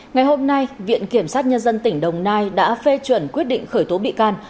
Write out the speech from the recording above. ngày hôm nay viện kiểm sát nhân dân tỉnh đồng nai đã phê chuẩn quyết định khởi tố bị can